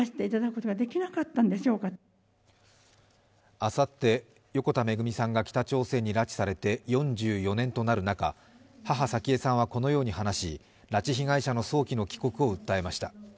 あさって横田めぐみさんが北朝鮮に拉致されて４４年となる中、母、早紀江さんはこのように話し拉致被害者の早期の帰国を訴えました。